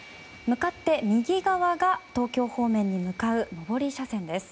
向かって右側が東京方面に向かう上り車線です。